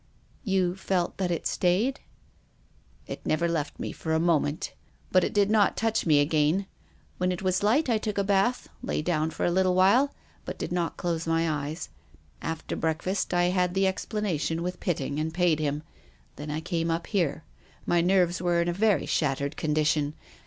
" You felt that it stayed ?"" It never left me for a moment, but it did not touch me again. When it was light I took a bath, lay down for a little while, but did not close my eyes. After breakfast I had the explanation with Pitting and paid him. Then I came up here. My nerves were in a very shattered condition.